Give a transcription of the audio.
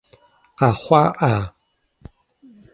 Къэхъуа-Ӏа?